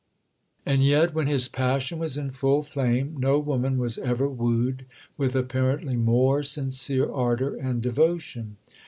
And yet, when his passion was in full flame, no woman was ever wooed with apparently more sincere ardour and devotion.